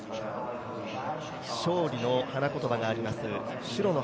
勝利の花言葉があるもの